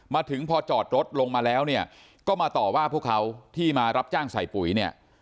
มาถึงพอจอดรถลงมาแล้วเนี่ยก็มาต่อว่าพวกเขาที่มารับจ้างใส่ปุ๋ยเนี่ย